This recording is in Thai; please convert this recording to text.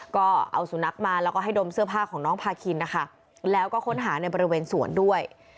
ก็เอาสุนัขมาแล้วก็ให้ดมเสื้อผ้าของน้องพาคินนะคะแล้วก็ค้นหาในบริเวณสวนด้วย